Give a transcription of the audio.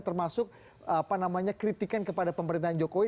termasuk apa namanya kritikan kepada pemerintahan jokowi